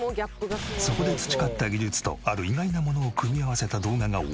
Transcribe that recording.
そこで培った技術とある意外なものを組み合わせた動画が大バズり。